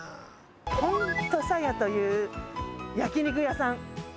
「本とさや」という焼き肉屋さん。